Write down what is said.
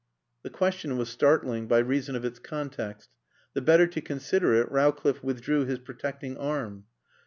The question was startling by reason of its context. The better to consider it Rowcliffe withdrew his protecting arm.